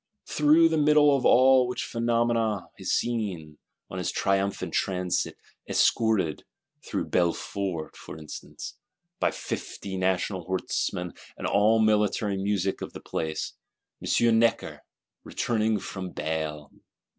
Through the middle of all which phenomena, is seen, on his triumphant transit, "escorted," through Béfort for instance, "by fifty National Horsemen and all the military music of the place,"—M. Necker, returning from Bale!